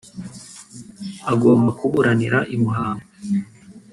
Agomba kuburanira i Muhanga